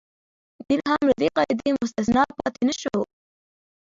دین هم له دې قاعدې مستثنا پاتې نه شو.